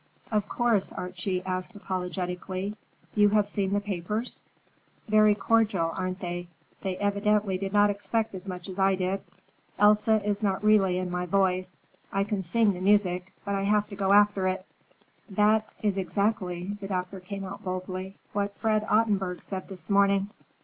"Of course," Archie asked apologetically, "you have seen the papers?" "Very cordial, aren't they? They evidently did not expect as much as I did. Elsa is not really in my voice. I can sing the music, but I have to go after it." "That is exactly," the doctor came out boldly, "what Fred Ottenburg said this morning."